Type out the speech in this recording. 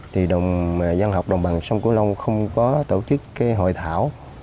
thì văn học đồng bằng sông cửu long không có tổ chức cái hội thảo